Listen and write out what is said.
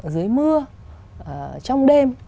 dưới mưa trong đêm